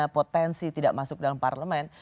potensi tidak masuk dalam parlemen